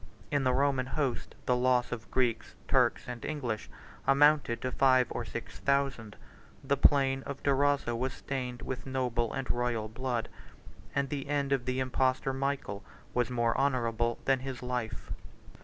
In the Roman host, the loss of Greeks, Turks, and English, amounted to five or six thousand: 76 the plain of Durazzo was stained with noble and royal blood; and the end of the impostor Michael was more honorable than his life.